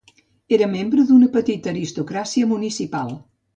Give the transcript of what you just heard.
Era membre d'una petita aristocràcia municipal.